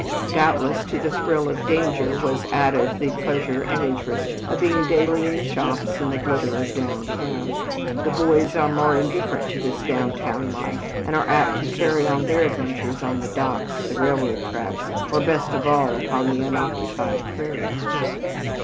Doubtless to the thrill of danger was added the pleasure and interest of being daily in the shops and the glitter of "down town." The boys are more indifferent to this downtown life, and are apt to carry on their adventures on the docks, the railroad tracks or best of all upon the unoccupied prairie.